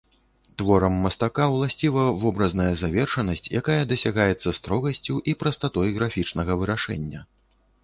Творам мастака ўласціва вобразная завершанасць, якая дасягаецца строгасцю і прастатой графічнага вырашэння.